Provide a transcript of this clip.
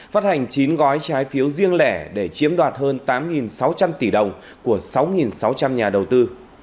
phát hành chín gói trái phiếu riêng lẻ để chiếm đoạt hơn tám sáu trăm linh tỷ đồng của sáu sáu trăm linh nhà đầu tư